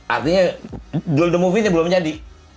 artinya dul the movie nya belum jadi